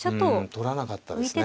取らなかったですね。